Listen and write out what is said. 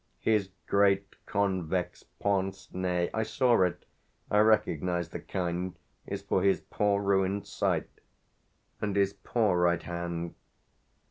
"His great convex pince nez I saw it, I recognised the kind is for his poor ruined sight. And his poor right hand